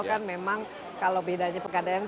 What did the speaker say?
kan memang kalau bedanya pekadaian